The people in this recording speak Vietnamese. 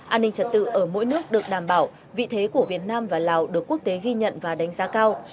an ninh trật tự ở mỗi nước được đảm bảo vị thế của việt nam và lào được quốc tế ghi nhận và đánh giá cao